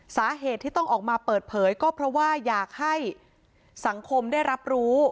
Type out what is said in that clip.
สาเหตุที่ต้องออกมาเปิดเผยก็เพราะว่าอยากให้สังคมได้รับรู้